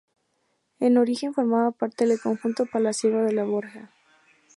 En origen, formaba parte del conjunto palaciego de los Borja.